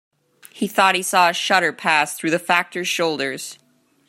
He thought he saw a shudder pass through the Factor's shoulders.